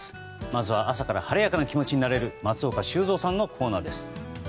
まずは朝から晴れやかな気持ちになれる松岡修造さんのコーナーです。